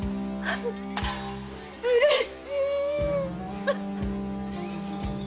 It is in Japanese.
うれしい！